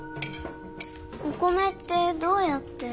お米ってどうやって。